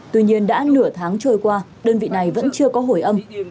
tuy nhiên đã nửa tháng trôi qua đơn vị này vẫn chưa có hồi âm